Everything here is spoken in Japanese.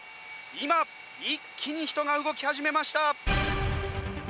今、一気に人が動き始めました！